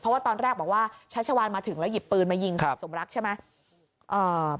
เพราะว่าตอนแรกบอกว่าชัชวานมาถึงแล้วหยิบปืนมายิงคุณสมรักใช่ไหม